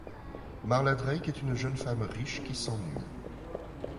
Marla Drake est une jeune femme riche qui s'ennuie.